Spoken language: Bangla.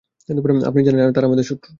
আপনি জানেন তারা আমাদের শত্রু।